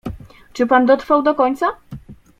"Czy pan dotrwał do końca?"